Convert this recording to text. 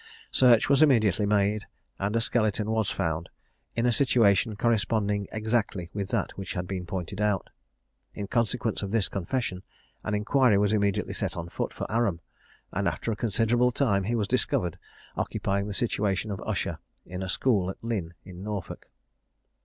Search was immediately made, and a skeleton was found in a situation corresponding exactly with that which had been pointed out. In consequence of this confession an inquiry was immediately set on foot for Aram, and after a considerable time he was discovered, occupying the situation of usher in a school at Lynn in Norfolk.